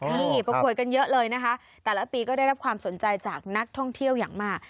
นี่ประกวดกันเยอะเลยนะคะแต่ละปีก็ได้รับความสนใจจากนักท่องเที่ยวอย่างมาก